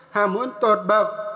hàm huấn tột bậc